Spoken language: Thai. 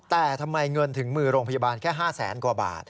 แต่ทำไมเงินถึงมือโรงพยาบาลแค่๕แสนกว่าบาท